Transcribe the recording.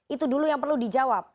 itu dulu yang perlu dijawab